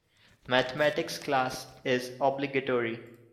Mathematics class is obligatory.